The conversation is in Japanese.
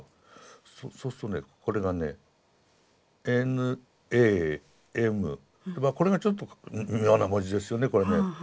そうするとねこれがね「Ｎ」「Ａ」「Ｍ」まあこれがちょっと妙な文字ですよねこれね。